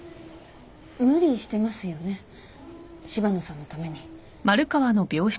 無理してますよね柴野さんのために。